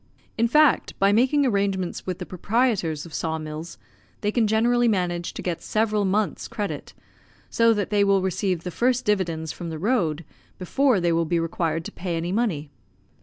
In fact, by making arrangements with the proprietors of saw mills they can generally manage to get several months' credit, so that they will receive the first dividends from the road before they will be required to pay any money.